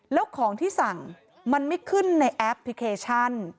แล้วของที่สั่งมันไม่ขึ้นในแอปพลิเคชัน